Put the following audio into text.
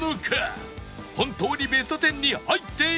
本当にベスト１０に入っているのか？